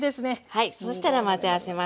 はいそうしたら混ぜ合わせます。